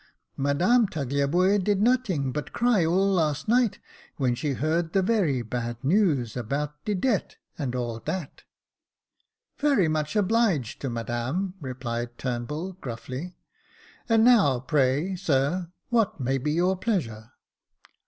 Madame Tagliabue did noting but cry all last night when she heard the very bad news about de debt, and all dat." "Very much obliged to Madame," replied Turnbull, gruffly ;" and now, pray sir, what may be your pleasure